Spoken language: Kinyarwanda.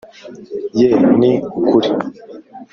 yee ni ukuri